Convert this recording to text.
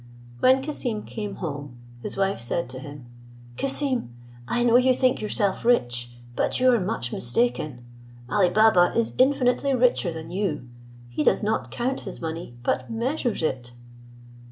When Cassim came home, his wife said to him, "Cassim, I know you think yourself rich, but you are much mistaken; Ali Baba is infinitely richer than you; he does not count his money but measures it."